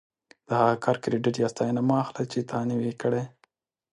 د هغه کار کریډیټ یا ستاینه مه اخله چې تا نه وي کړی.